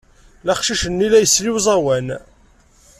Aqcic-nni la isell i uẓawan.